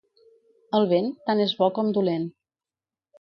El vent, tant és bo com dolent.